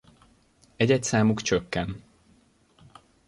Egyedszámuk csökken.